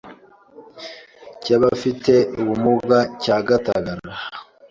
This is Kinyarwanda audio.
cy’abafite ubumuga cya Gatagara,